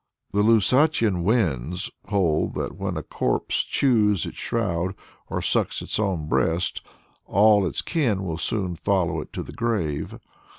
The Lusatian Wends hold that when a corpse chews its shroud or sucks its own breast, all its kin will soon follow it to the grave.